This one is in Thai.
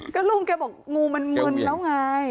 ก็ลุงแกบอกงูมันมึนแล้วไง